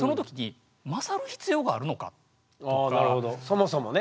そもそもね。